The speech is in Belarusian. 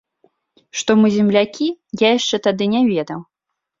Што мы з ім землякі, я яшчэ тады не ведаў.